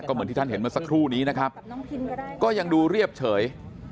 เหมือนที่ท่านเห็นเมื่อสักครู่นี้นะครับก็ยังดูเรียบเฉย